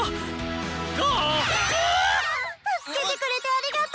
ガープ⁉助けてくれてありがとー！